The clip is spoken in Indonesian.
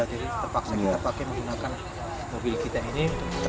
jadi terpaksa kita pakai menggunakan mobil kita ini